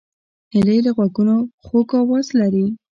هیلۍ له غوږونو خوږ آواز لري